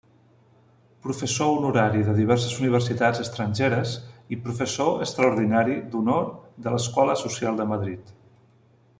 Professor Honorari de diverses Universitats estrangeres i Professor Extraordinari d'Honor de l'Escola Social de Madrid.